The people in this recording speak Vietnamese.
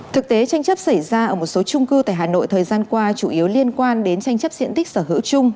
thực tế tranh chấp xảy ra ở một số trung cư tại hà nội thời gian qua chủ yếu liên quan đến tranh chấp diện tích sở hữu chung